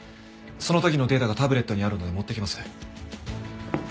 その時のデータがタブレットにあるので持ってきます。